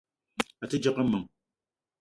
A te djegue meng.